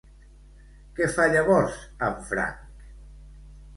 Què fa llavors en Frank?